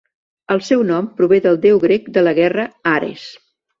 El seu nom prové del deu grec de la guerra Ares.